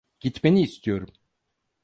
Gitmeni istiyorum.